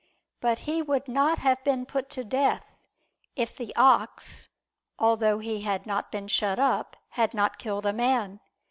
But he would not have been put to death, if the ox, although he had not been shut up, had not killed a man.